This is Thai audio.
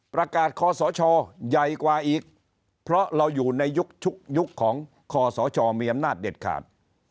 ประกาศขอสชใหญ่กว่าอีกเพราะเราอยู่ในยุคชุกยุคของขอสชมีอำนาจเด็ดขาด